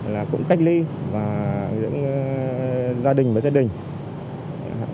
là cũng cách ly và những gia đình và gia đình